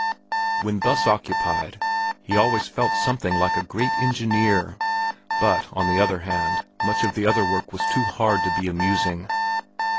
When thus occupied, he always felt something like a great engineer. But on the other hand, much of the other work was too hard to be amusing.